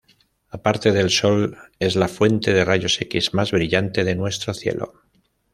Aparte del Sol, es la fuente de rayos X más brillante de nuestro cielo.